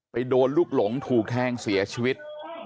โดนลูกหลงถูกแทงเสียชีวิต